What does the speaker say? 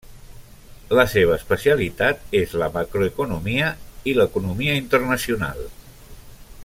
La seva especialitat és la macroeconomia i l'economia internacional.